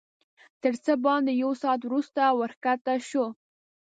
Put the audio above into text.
تر څه باندې یو ساعت وروسته ورښکته شوو.